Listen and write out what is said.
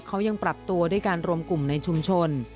เขายังปรับตัวด้วยการรวมกลุ่มในชุมชน